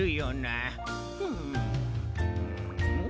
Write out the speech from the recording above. うん。